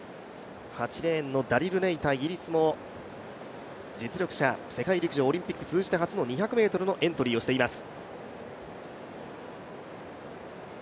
８レーンのダリル・ネイタ、イギリスも実力者、世界陸上、オリンピックに続いて２００ｍのエントリーをしています。